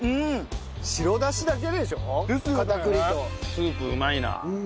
スープうまいな。